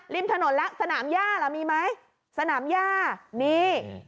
ริมถนนแล้วสนามย่าล่ะมีไหมสนามย่านี่